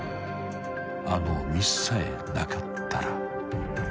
［あのミスさえなかったら］